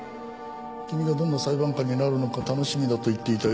君がどんな裁判官になるのか楽しみだと言っていたよ。